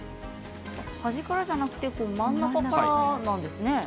端からじゃなくて真ん中からなんですね。